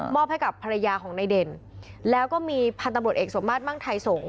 มอบให้กับภรรยาของในเด่นแล้วก็มีพันธบทเอกสมบัติมั่งไทยสงค์